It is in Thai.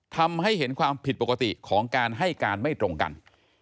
ทำให้เห็นความผิดปกติของการให้การไม่ตรงกัน